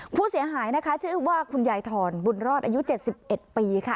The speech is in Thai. ผู้เสียหายนะคะชื่อว่าคุณยายทรบุญรอดอายุ๗๑ปีค่ะ